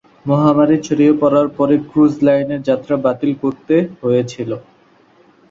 মহামারী ছড়িয়ে পড়ার পরে ক্রুজ লাইনের যাত্রা বাতিল করতে হয়েছিল।